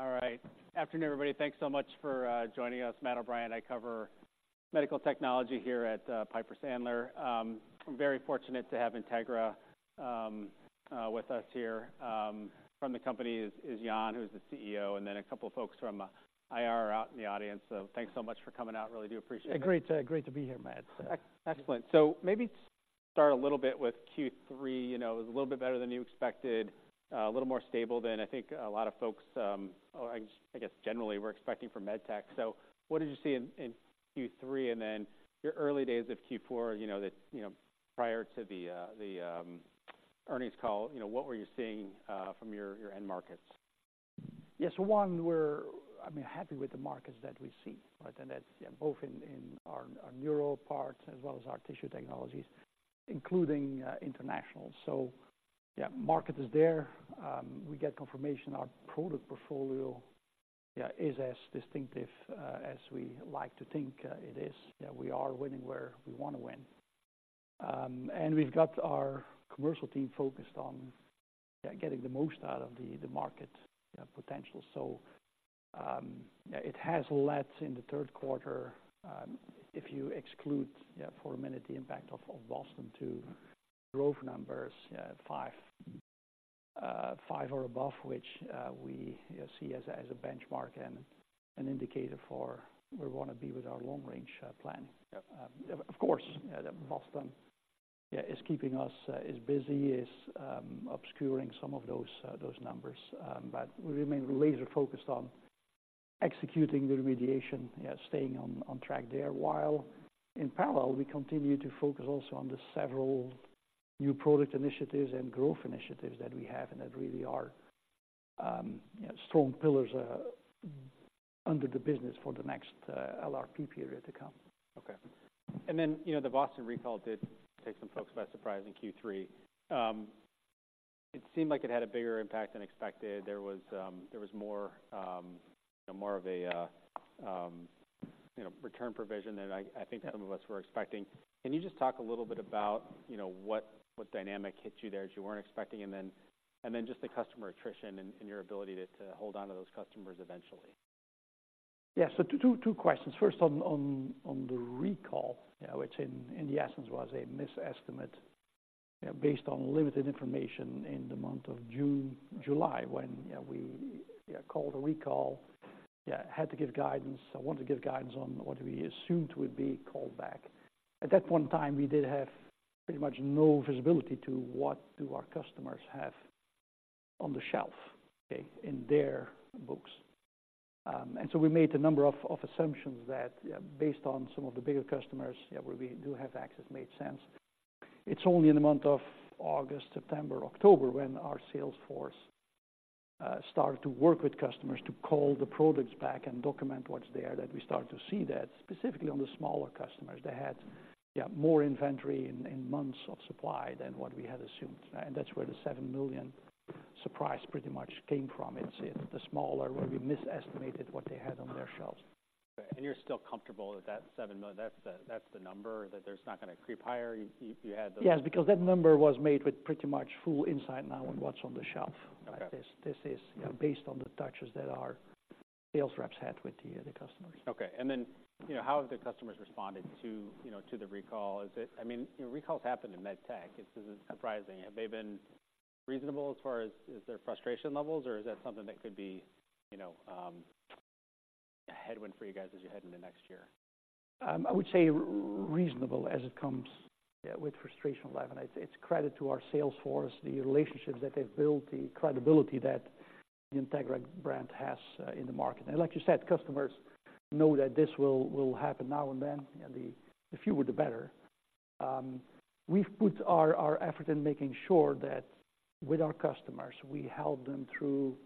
All right. Afternoon, everybody. Thanks so much for joining us. Matt O'Brien, I cover medical technology here at Piper Sandler. I'm very fortunate to have Integra with us here. From the company is Jan, who's the CEO, and then a couple of folks from IR are out in the audience. So thanks so much for coming out. Really do appreciate it. Great, great to be here, Matt. Excellent. So maybe start a little bit with Q3, you know, it was a little bit better than you expected, a little more stable than I think a lot of folks, or I, I guess, generally were expecting from MedTech. So what did you see in Q3 and then your early days of Q4, you know, that, you know, prior to the earnings call, you know, what were you seeing from your end markets? Yes, so one, we're, I mean, happy with the markets that we see, right? And that's, yeah, both in, in our, our neuro parts as well as our Tissue Technologies, including international. So yeah, market is there. We get confirmation our product portfolio, yeah, is as distinctive as we like to think it is, that we are winning where we want to win. And we've got our commercial team focused on, yeah, getting the most out of the, the market, yeah, potential. So, yeah, it has led in the third quarter, if you exclude, yeah, for a minute, the impact of Boston to growth numbers, yeah, five or above, which we see as a benchmark and an indicator for where we want to be with our Long Range Plan. Yep. Of course, yeah, Boston, yeah, is keeping us as busy, obscuring some of those numbers. But we remain laser-focused on executing the remediation, yeah, staying on track there, while in parallel, we continue to focus also on the several new product initiatives and growth initiatives that we have, and that really are, yeah, strong pillars under the business for the next LRP period to come. Okay. And then, you know, the Boston recall did take some folks by surprise in Q3. It seemed like it had a bigger impact than expected. There was more of a, you know, return provision than I think some of us were expecting. Can you just talk a little bit about, you know, what dynamic hit you there as you weren't expecting, and then just the customer attrition and your ability to hold on to those customers eventually? Yeah. So two questions. First on the recall, yeah, which in essence was a misestimate, yeah, based on limited information in the month of June, July, when yeah we yeah called a recall, yeah, had to give guidance. I want to give guidance on what we assumed would be called back. At that one time, we did have pretty much no visibility to what do our customers have on the shelf, okay, in their books. And so we made a number of assumptions that, yeah, based on some of the bigger customers, yeah, where we do have access, made sense. It's only in the month of August, September, October, when our sales force started to work with customers to call the products back and document what's there, that we start to see that specifically on the smaller customers, they had more inventory in months of supply than what we had assumed. And that's where the $7 million surprise pretty much came from. It's the smaller, where we misestimated what they had on their shelves. You're still comfortable that that $7 million, that's the, that's the number, that there's not going to creep higher? You, you had the- Yes, because that number was made with pretty much full insight now on what's on the shelf. Okay. This is, yeah, based on the touches that our sales reps had with the, the customers. Okay. And then, you know, how have the customers responded to, you know, to the recall? Is it... I mean, you know, recalls happen in MedTech. This isn't surprising. Have they been reasonable as far as, as their frustration levels, or is that something that could be, you know, a headwind for you guys as you head into next year? I would say reasonable as it comes, yeah, with frustration level. It's credit to our sales force, the relationships that they've built, the credibility that the Integra brand has in the market. Like you said, customers know that this will happen now and then, and the fewer, the better. We've put our effort in making sure that with our customers, we help them through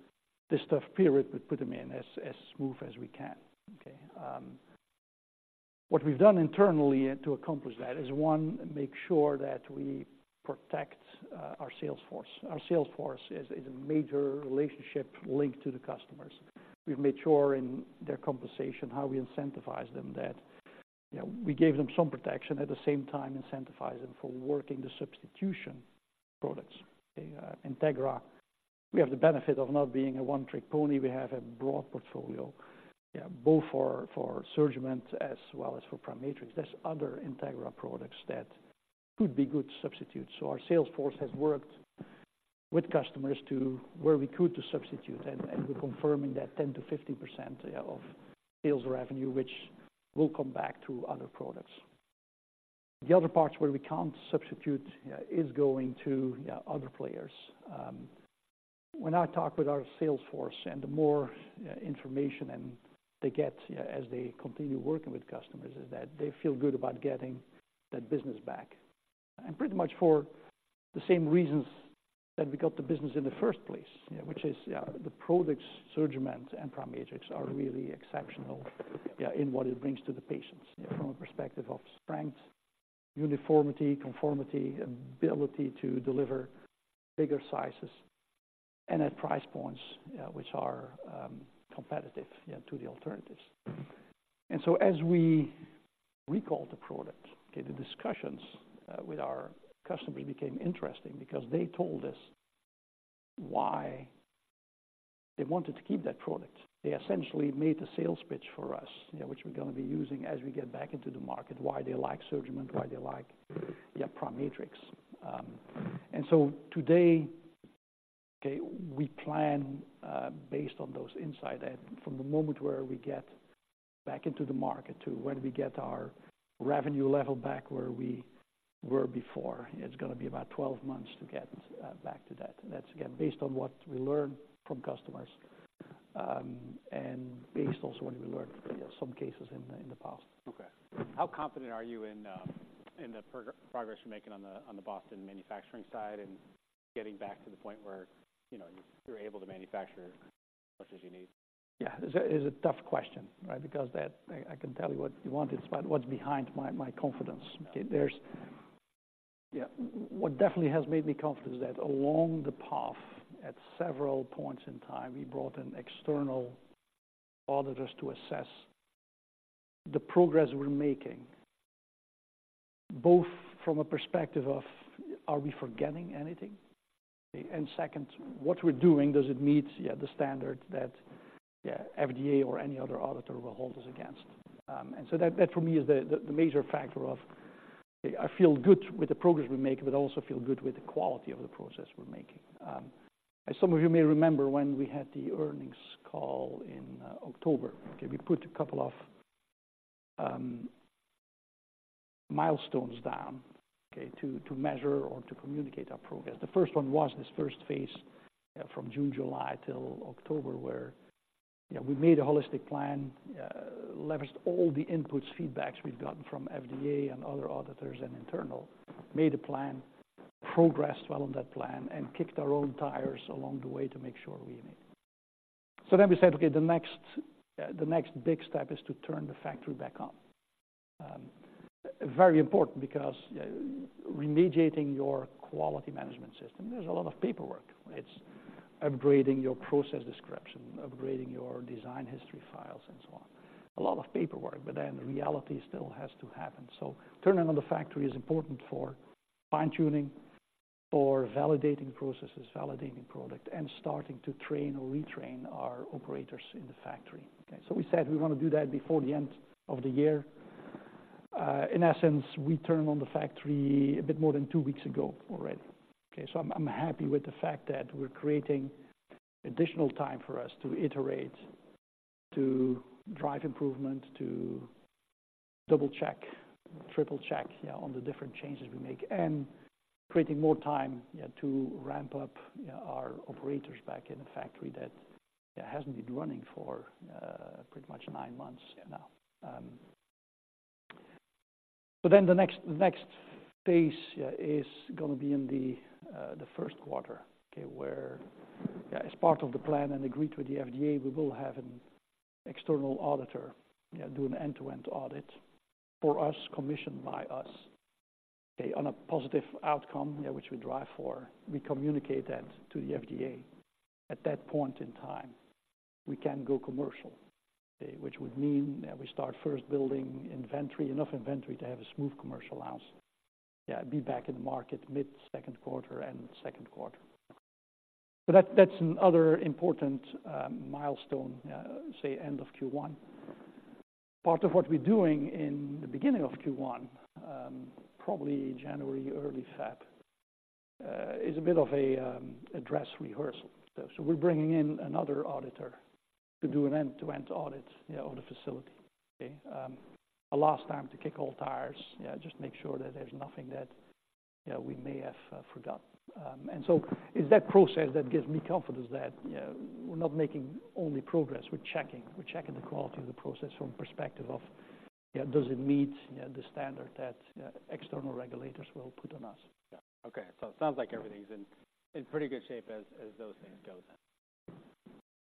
this tough period, but put them in as smooth as we can, okay? What we've done internally, and to accomplish that is, one, make sure that we protect our sales force. Our sales force is a major relationship link to the customers. We've made sure in their compensation, how we incentivize them, that, you know, we gave them some protection, at the same time, incentivize them for working the substitution products. Integra, we have the benefit of not being a one-trick pony. We have a broad portfolio, yeah, both for SurgiMend as well as for PriMatrix. There's other Integra products that could be good substitutes, so our sales force has worked with customers to where we could substitute, and we're confirming that 10%-50%, yeah, of sales revenue, which will come back to other products. The other parts where we can't substitute, yeah, is going to other players. When I talk with our sales force and the more information they get, yeah, as they continue working with customers, is that they feel good about getting that business back. And pretty much for the same reasons that we got the business in the first place, yeah, which is, yeah, the products, SurgiMend and PriMatrix, are really exceptional, yeah, in what it brings to the patients, yeah, from a perspective of strength, uniformity, conformity, ability to deliver bigger sizes, and at price points, which are competitive, yeah, to the alternatives. And so as we recalled the product, okay, the discussions with our customers became interesting because they told us why they wanted to keep that product. They essentially made the sales pitch for us, yeah, which we're gonna be using as we get back into the market, why they like SurgiMend, why they like, yeah, PriMatrix. And so today, okay, we plan, based on those insights, and from the moment where we get back into the market to when we get our revenue level back where we were before, it's gonna be about 12 months to get back to that. And that's, again, based on what we learned from customers, and based also on what we learned in some cases in the past. Okay. How confident are you in the progress you're making on the Boston manufacturing side and getting back to the point where, you know, you're able to manufacture as much as you need? Yeah, it's a tough question, right? Because I can tell you what you want, it's about what's behind my confidence. Yeah. Okay, yeah, what definitely has made me confident is that along the path, at several points in time, we brought in external auditors to assess the progress we're making, both from a perspective of, are we forgetting anything? And second, what we're doing, does it meet the standard that FDA or any other auditor will hold us against. And so that for me is the major factor of, I feel good with the progress we're making, but I also feel good with the quality of the process we're making. As some of you may remember, when we had the earnings call in October, we put a couple of milestones down to measure or to communicate our progress. The first one was this first phase from June, July till October, where, you know, we made a holistic plan, leveraged all the inputs, feedbacks we've gotten from FDA and other auditors and internal. Made a plan, progressed well on that plan, and kicked our own tires along the way to make sure we made it. So then we said, okay, the next, the next big step is to turn the factory back on. Very important because, remediating your quality management system, there's a lot of paperwork. It's upgrading your process description, upgrading your design history files, and so on. A lot of paperwork, but then reality still has to happen. So turning on the factory is important for fine-tuning, for validating processes, validating product, and starting to train or retrain our operators in the factory, okay. So we said we want to do that before the end of the year. In essence, we turned on the factory a bit more than two weeks ago already, okay? So I'm, I'm happy with the fact that we're creating additional time for us to iterate, to drive improvement, to double-check, triple-check, yeah, on the different changes we make, and creating more time, yeah, to ramp up, yeah, our operators back in the factory that, that hasn't been running for pretty much nine months now. So then, the next phase is gonna be in the first quarter, okay? Where, yeah, as part of the plan and agreed with the FDA, we will have an external auditor, yeah, do an end-to-end audit for us, commissioned by us, okay? On a positive outcome, yeah, which we drive for, we communicate that to the FDA. At that point in time, we can go commercial, okay, which would mean that we start first building inventory, enough inventory to have a smooth commercial launch. Yeah, be back in the market mid-second quarter and second quarter. So that, that's another important milestone, say, end of Q1. Part of what we're doing in the beginning of Q1, probably January, early February, is a bit of a, a dress rehearsal. So we're bringing in another auditor to do an end-to-end audit, yeah, of the facility, okay? A last time to kick all tires, yeah, just make sure that there's nothing that we may have forgotten. And so it's that process that gives me confidence that, yeah, we're not making only progress, we're checking. We're checking the quality of the process from perspective of, yeah, does it meet, yeah, the standard that external regulators will put on us? Yeah. Okay, so it sounds like everything's in pretty good shape as those things go then.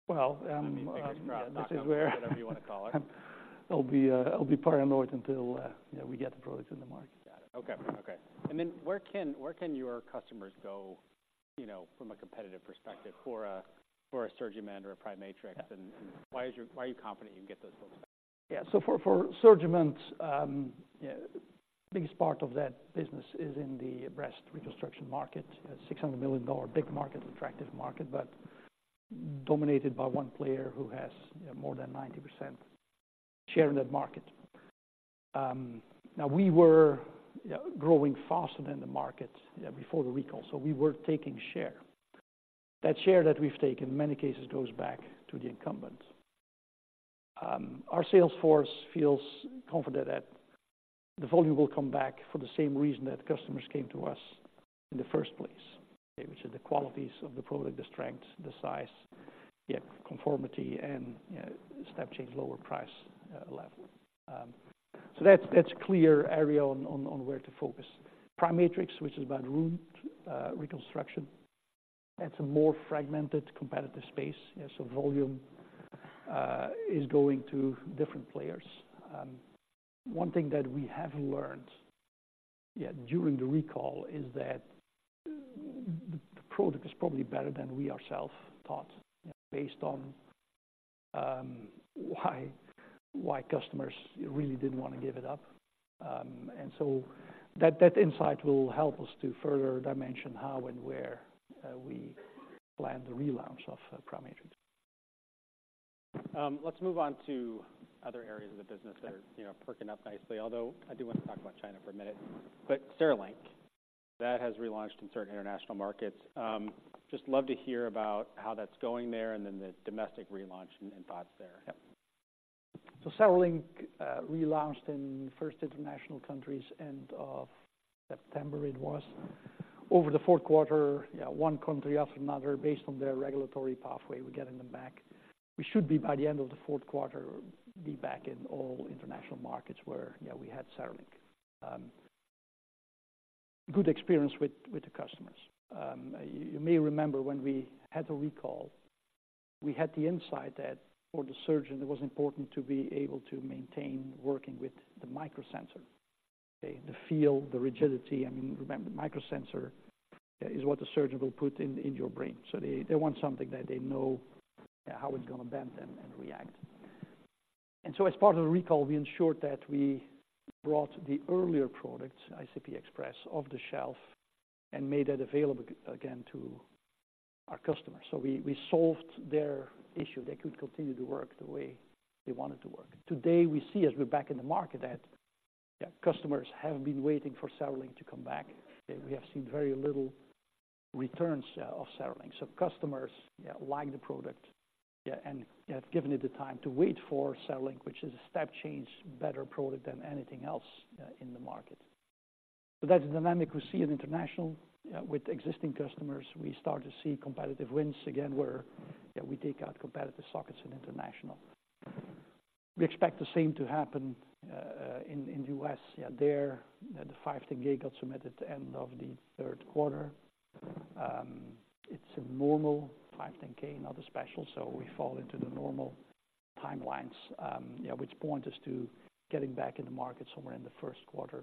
Well, um- I mean, fingers crossed, knock on- This is where- Whatever you wanna call it. I'll be, I'll be paranoid until, yeah, we get the products in the market. Got it. Okay, okay. And then where can, where can your customers go, you know, from a competitive perspective, for a, for a SurgiMend or a PriMatrix? Yeah. Why are you confident you can get those folks back? Yeah. So for SurgiMend, biggest part of that business is in the breast reconstruction market. Six hundred million dollar big market, attractive market, but dominated by one player who has more than 90% share in that market. Now, we were growing faster than the market before the recall, so we were taking share. That share that we've taken, in many cases, goes back to the incumbent. Our sales force feels confident that the volume will come back for the same reason that customers came to us in the first place, okay, which is the qualities of the product, the strength, the size, conformity, and step change lower price level. So that's clear area on where to focus. PriMatrix, which is about wound reconstruction, that's a more fragmented, competitive space. Yeah, so volume is going to different players. One thing that we have learned during the recall is that the product is probably better than we ourselves thought, based on why customers really didn't want to give it up. And so that insight will help us to further dimension how and where we plan the relaunch of PriMatrix. Let's move on to other areas of the business that are, you know, perking up nicely. Although I do want to talk about China for a minute, but CereLink, that has relaunched in certain international markets. Just love to hear about how that's going there, and then the domestic relaunch and, and thoughts there. Yeah. So CereLink relaunched in first international countries, end of September, it was. Over the fourth quarter, one country after another, based on their regulatory pathway, we're getting them back. We should be, by the end of the fourth quarter, back in all international markets where we had CereLink. Good experience with the customers. You may remember when we had the recall, we had the insight that for the surgeon, it was important to be able to maintain working with the microsensor. Okay, the feel, the rigidity. I mean, remember, microsensor is what the surgeon will put in your brain. So they want something that they know how it's going to bend and react. As part of the recall, we ensured that we brought the earlier product, ICP Express, off the shelf and made that available again to our customers. So we solved their issue. They could continue to work the way they wanted to work. Today, we see, as we're back in the market, that, yeah, customers have been waiting for CereLink to come back, and we have seen very little returns of CereLink. So customers, yeah, like the product, yeah, and have given it the time to wait for CereLink, which is a step change, better product than anything else in the market. So that's the dynamic we see in international. With existing customers, we start to see competitive wins again, where, yeah, we take out competitive sockets in international. We expect the same to happen in the U.S. Yeah, there, the 510(k) got submitted at the end of the third quarter. It's a normal 510(k), nothing special, so we fall into the normal timelines, yeah, which point us to getting back in the market somewhere in the first quarter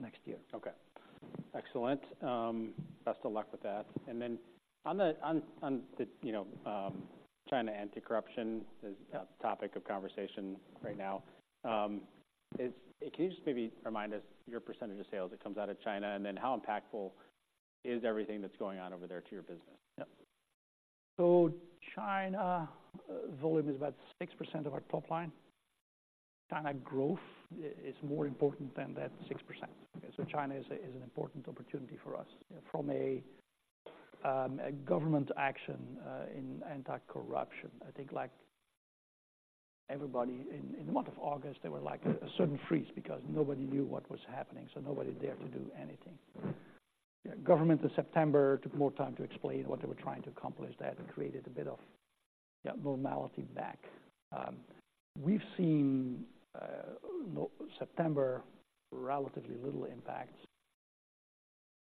next year. Okay, excellent. Best of luck with that. And then on the you know, China anti-corruption is a topic of conversation right now. Can you just maybe remind us your percentage of sales that comes out of China, and then how impactful is everything that's going on over there to your business? Yep. So China volume is about 6% of our top line. China growth is more important than that 6%. So China is a, is an important opportunity for us. From a government action in anti-corruption, I think, like everybody in the month of August, there were, like, a sudden freeze because nobody knew what was happening, so nobody dared to do anything. Government in September took more time to explain what they were trying to accomplish. That created a bit of, yeah, normality back. We've seen September, relatively little impact,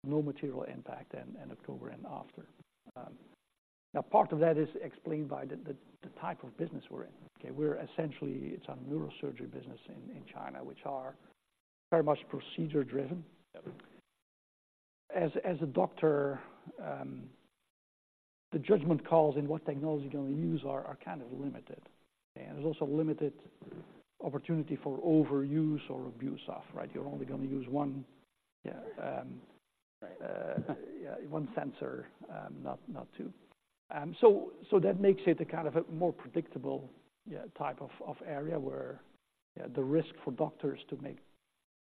no material impact in October and after. Now, part of that is explained by the type of business we're in. Okay, we're essentially, it's a neurosurgery business in China, which are very much procedure-driven. Yep. As a doctor, the judgment calls in what technology you're going to use are kind of limited, and there's also limited opportunity for overuse or abuse of, right? You're only going to use one, yeah, Right. Yeah, one sensor, not two. So that makes it a kind of a more predictable type of area where the risk for doctors to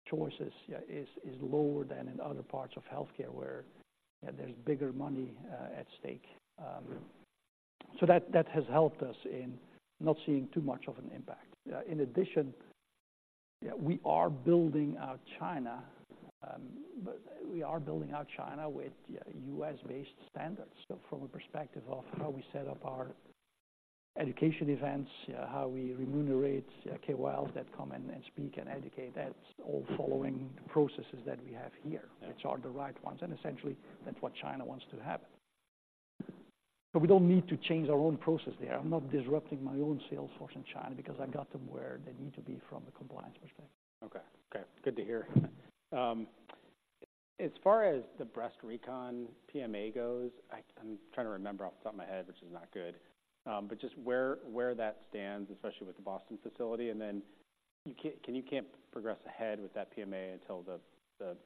make choices is lower than in other parts of healthcare, where there's bigger money at stake. So that has helped us in not seeing too much of an impact. In addition, we are building out China, but we are building out China with U.S.-based standards. So from a perspective of how we set up our education events, how we remunerate KOLs that come in and speak and educate, that's all following processes that we have here- Yeah... which are the right ones, and essentially, that's what China wants to happen. So we don't need to change our own process there. I'm not disrupting my own sales force in China because I got them where they need to be from a compliance perspective. Okay. Okay, good to hear. As far as the breast recon PMA goes, I'm trying to remember off the top of my head, which is not good, but just where that stands, especially with the Boston facility, and then you can't progress ahead with that PMA until the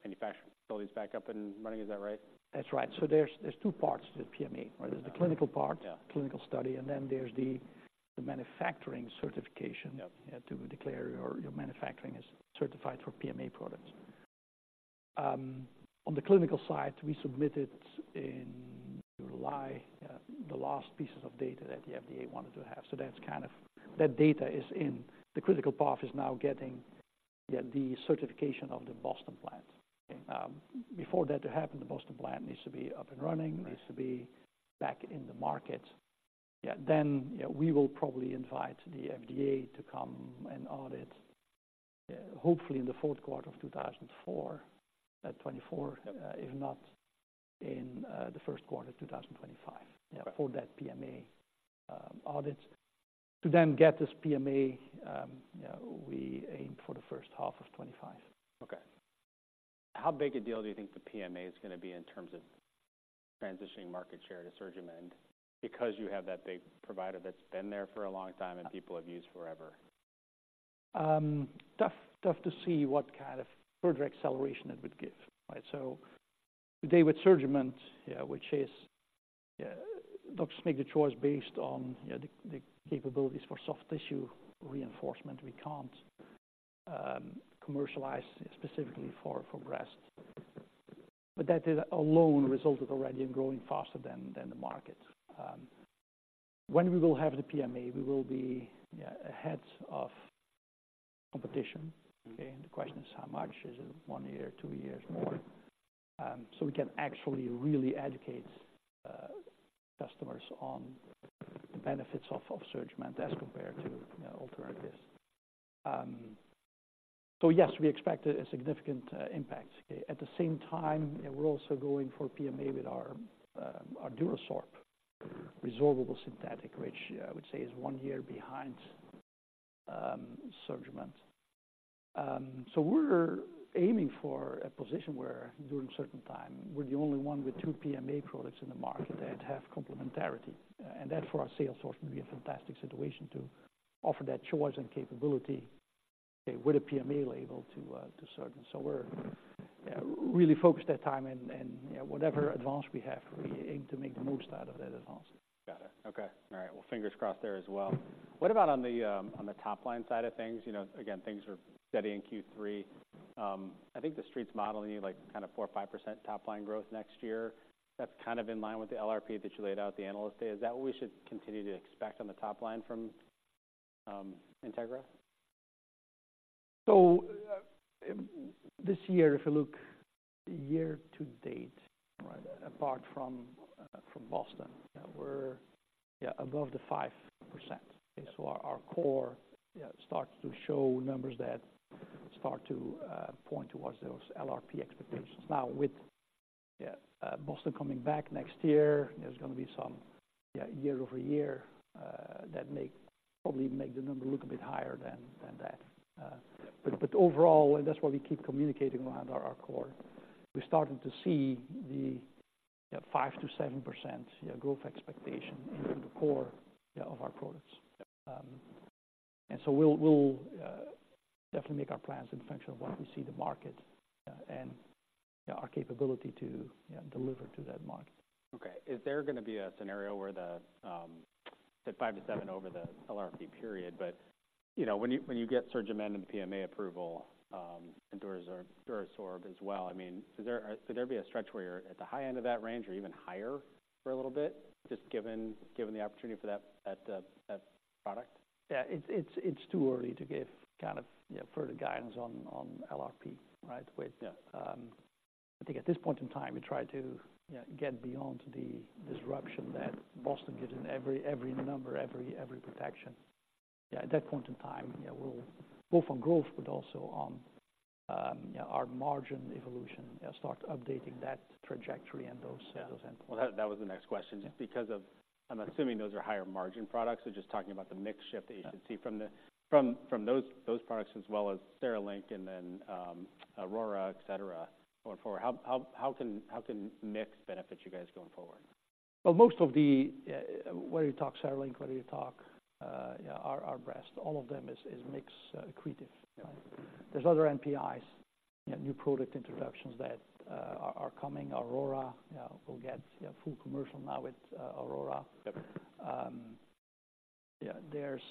manufacturing facility is back up and running. Is that right? That's right. So there's two parts to the PMA. Okay. There's the clinical part- Yeah... clinical study, and then there's the manufacturing certification- Yep... yeah, to declare your, your manufacturing is certified for PMA products. On the clinical side, we submitted in July the last pieces of data that the FDA wanted to have. So that's kind of, that data is in. The critical path is now getting, yeah, the certification of the Boston plant. Before that to happen, the Boston plant needs to be up and running- Right... needs to be back in the market. Yeah, then, yeah, we will probably invite the FDA to come and audit, yeah, hopefully in the fourth quarter of 2024, if not in the first quarter of 2025- Right... yeah, for that PMA audit. To then get this PMA, yeah, we aim for the first half of 2025. Okay. How big a deal do you think the PMA is gonna be in terms of transitioning market share to SurgiMend, because you have that big provider that's been there for a long time and people have used forever? Tough, tough to see what kind of further acceleration it would give, right? So today with SurgiMend, yeah, which is, yeah, doctors make the choice based on, you know, the capabilities for soft tissue reinforcement. We can't commercialize specifically for breast. But that alone resulted already in growing faster than the market. When we will have the PMA, we will be, yeah, ahead of competition. Mm-hmm. Okay, and the question is, how much? Is it one year, two years more? So we can actually really educate customers on the benefits of SurgiMend as compared to, you know, alternatives. So yes, we expect a significant impact. At the same time, we're also going for PMA with our DuraSorb resorbable synthetic, which I would say is one year behind SurgiMend. So we're aiming for a position where during certain time, we're the only one with two PMA products in the market that have complementarity, and that for our sales force would be a fantastic situation to offer that choice and capability, okay, with a PMA label to surgeons. So we're, yeah, really focused that time and, yeah, whatever advantage we have, we aim to make the most out of that advantage. Got it. Okay, all right. Well, fingers crossed there as well. What about on the, on the top line side of things? You know, again, things are steady in Q3. I think the street's modeling you like kind of 4% or 5% top line growth next year. That's kind of in line with the LRP that you laid out at the analyst day. Is that what we should continue to expect on the top line from, Integra? So, this year, if you look year to date, right, apart from, from Boston, we're above the 5%. So our core starts to show numbers that start to point towards those LRP expectations. Now, with Boston coming back next year, there's gonna be some year-over-year that probably make the number look a bit higher than that. But overall, and that's why we keep communicating around our core. We're starting to see the 5%-7% growth expectation in the core of our products. And so we'll definitely make our plans in function of what we see the market and our capability to deliver to that market. Okay. Is there gonna be a scenario where the five-seven over the LRP period, but, you know, when you get SurgiMend and the PMA approval, and DuraSorb as well, I mean, could there be a stretch where you're at the high end of that range or even higher for a little bit, just given the opportunity for that product? Yeah, it's too early to give kind of, yeah, further guidance on LRP, right? Yeah. I think at this point in time, we try to, you know, get beyond the disruption that Boston gives in every number, every projection. At that point in time, we'll both on growth but also on, yeah, our margin evolution, start updating that trajectory and those- Yeah. Those endpoints. Well, that was the next question. Yeah. Because of... I'm assuming those are higher margin products. So just talking about the mix shift that you can see from the- Mm-hmm. From those products as well as CereLink and then, Aurora, et cetera, going forward. How can mix benefit you guys going forward? Well, most of the, whether you talk CereLink, whether you talk, yeah, our breast, all of them is mix accretive. Yeah. There's other NPIs, yeah, new product introductions that are coming. Aurora, yeah, will get full commercial now with Aurora. Yep. Yeah, there's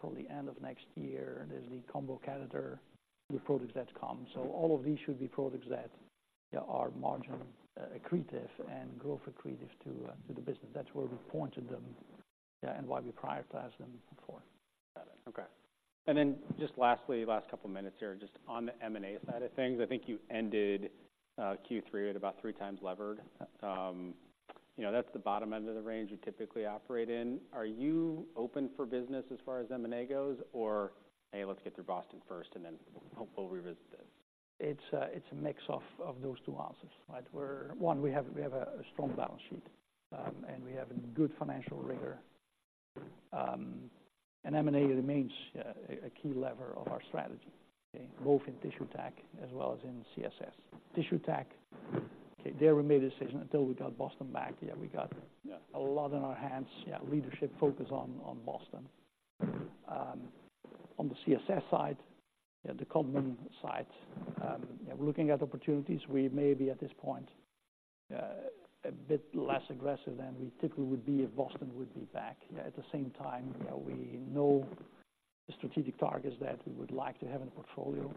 probably end of next year, there's the combo catheter, new products that come. So all of these should be products that, yeah, are margin accretive and growth accretive to the business. That's where we pointed them, yeah, and why we prioritize them before. Got it. Okay. And then just lastly, last couple of minutes here, just on the M&A side of things, I think you ended Q3 at about 3x levered. You know, that's the bottom end of the range you typically operate in. Are you open for business as far as M&A goes, or, "Hey, let's get through Boston first and then we'll revisit this? It's a mix of those two answers, right? We're. One, we have a strong balance sheet, and we have a good financial rigor. And M&A remains a key lever of our strategy, okay? Both in Tissue Tech as well as in CSS. Tissue Tech, okay, there we made a decision until we got Boston back. Yeah, we got- Yeah. A lot on our hands. Leadership focus on Boston. On the CSS side, the Codman side, we're looking at opportunities. We may be, at this point, a bit less aggressive than we typically would be if Boston would be back. At the same time, we know the strategic targets that we would like to have in the portfolio.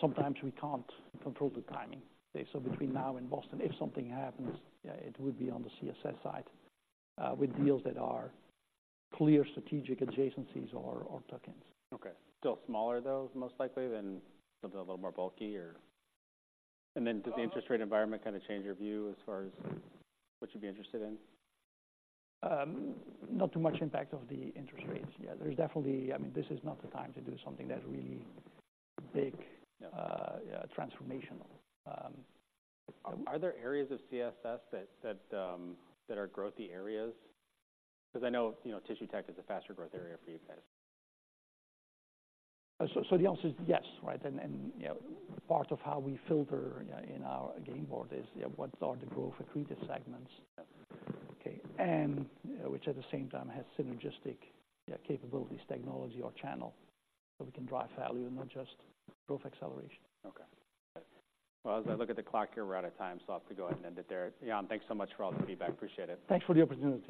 Sometimes we can't control the timing. Okay, so between now and Boston, if something happens, it would be on the CSS side, with deals that are clear strategic adjacencies or tuck-ins. Okay. Still smaller, though, most likely, than something a little more bulky or... And then does the interest rate environment kinda change your view as far as what you'd be interested in? Not too much impact of the interest rates. Yeah, there's definitely. I mean, this is not the time to do something that's really big, yeah, transformational. Are there areas of CSS that are growthy areas? Because I know, you know, Tissue Tech is a faster growth area for you guys. So the answer is yes, right? And you know, part of how we filter, yeah, in our game board is, yeah, what are the growth accretive segments? Yeah. Okay, and which at the same time has synergistic, yeah, capabilities, technology or channel, so we can drive value, not just growth acceleration. Okay. Well, as I look at the clock here, we're out of time, so I'll have to go ahead and end it there. Jan, thanks so much for all the feedback. Appreciate it. Thanks for the opportunity.